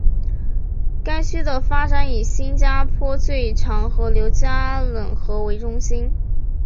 该区的发展以新加坡最长河流加冷河为中心。